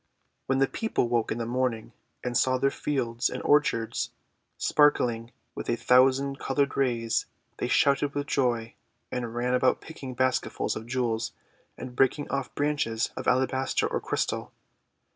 When the people woke in the morning and saw their fields and orchards sparkling with a thou sand coloured rays, they shouted with joy and ran about picking basketfuls of jewels, and break ing off branches of alabaster or crystal.